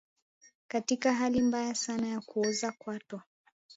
Katika hali mbaya sana ya kuoza kwato